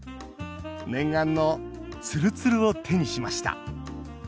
念願のつるつるを手にしました。